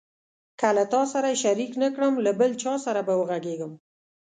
که له تا سره یې شریک نه کړم له بل چا سره به وغږېږم.